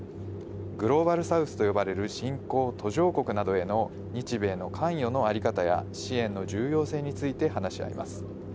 グローバル・サウスと呼ばれる新興・途上国などへの日米の関与の在り方や、支援の重要性について話し合います。